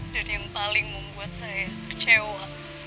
yang paling membuat saya kecewa